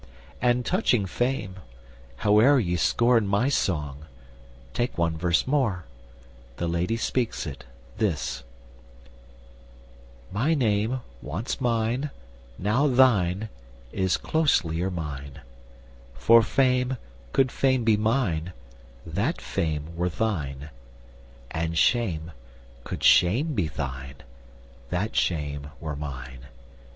And touching fame, howe'er ye scorn my song, Take one verse more—the lady speaks it—this: "'My name, once mine, now thine, is closelier mine, For fame, could fame be mine, that fame were thine, And shame, could shame be thine, that shame were mine.